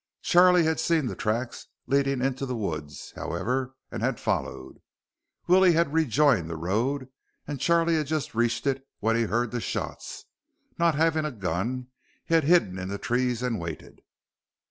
Charlie had seen the tracks leading into the woods, however, and had followed. Willie had rejoined the road and Charlie had just reached it when he heard the shots. Not having a gun, he had hidden in the trees and waited.